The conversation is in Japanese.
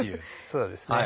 そうですね。